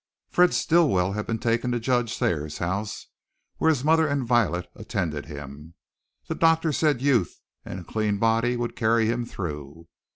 Fred Stilwell had been taken to Judge Thayer's house, where his mother and Violet attended him. The doctor said youth and a clean body would carry him through.